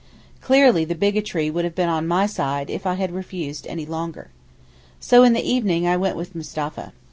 Clearly the bigotry would have been on my side if I had refused any longer. So in the evening I went with Mustapha.